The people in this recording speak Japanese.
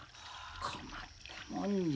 困ったもんや。